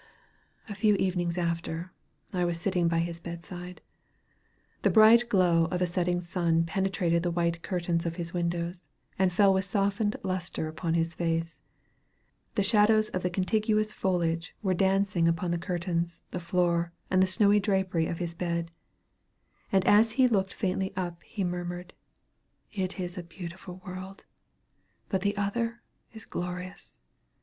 A few evenings after, I was sitting by his bed side. The bright glow of a setting sun penetrated the white curtains of his windows, and fell with softened lustre upon his face. The shadows of the contiguous foliage were dancing upon the curtains, the floor, and the snowy drapery of his bed; and as he looked faintly up, he murmured, "It is a beautiful world; but the other is glorious!